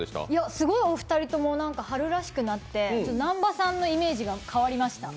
すごいお二人とも春らしくなって、南波さんのイメージが変わりました。